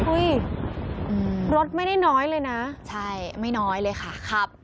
รถไม่ได้น้อยเลยนะใช่ไม่น้อยเลยค่ะครับ